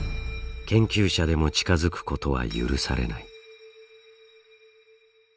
研究者でも近づくことは許されない。